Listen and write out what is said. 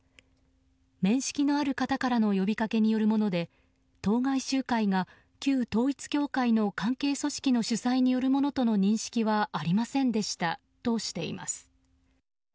面識のある方からの呼びかけによるもので当該集会が旧統一教会の関係組織の主催によるものとの認識はありませんでしたとしています。